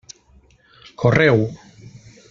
Correu!